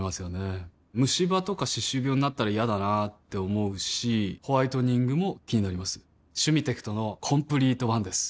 ムシ歯とか歯周病になったら嫌だなって思うしホワイトニングも気になります「シュミテクトのコンプリートワン」です